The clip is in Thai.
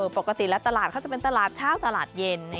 ปกติแล้วตลาดเขาจะเป็นตลาดเช้าตลาดเย็น